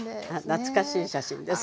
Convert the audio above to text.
懐かしい写真です。